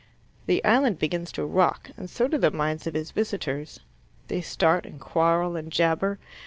The island begins to rock, and so do the minds of its visitors. They start and quarrel and jabber.